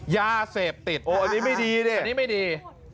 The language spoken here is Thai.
ยาเสพติดอันนี้ไม่ดี